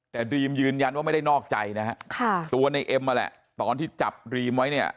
แต่ดรีมยืนยันว่าไม่ได้นอกใจนะฮะค่ะตัวในเอ็มนั่นแหละตอนที่จับดรีมไว้เนี่ย